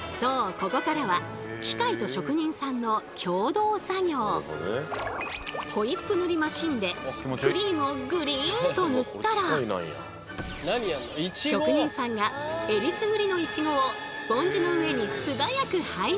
ここからはホイップ塗りマシンでクリームをぐりんと塗ったら職人さんがえりすぐりのいちごをスポンジの上に素早く配置。